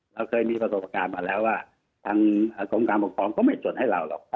เราเคยมีประสบการณ์มาแล้วว่าทางกรมการปกครองก็ไม่จดให้เราหรอก